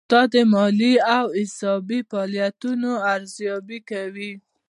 دا د مالي او حسابي فعالیتونو ارزیابي کوي.